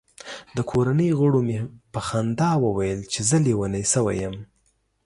د کورنۍ غړو مې په خندا ویل چې زه لیونی شوی یم.